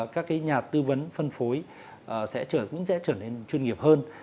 các nhà tư vấn phân phối sẽ trở nên chuyên nghiệp hơn